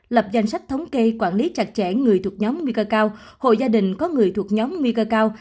lập danh sách thống kê quản lý chặt chẽ người thuộc nhóm nguy cơ cao hộ gia đình có người thuộc nhóm nguy cơ cao